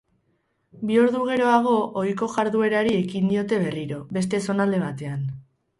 Bi ordu geroago ohiko jarduerari ekin diote berriro, beste zonalde batean.